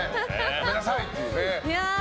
やめなさい！ってね。